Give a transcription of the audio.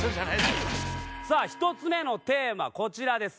さあ１つ目のテーマこちらです。